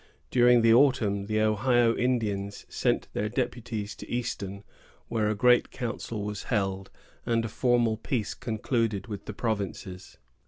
During the autumn, the Ohio Indians sent their deputies to Easton, where a great council was held, and a formal peace concluded with the provinces.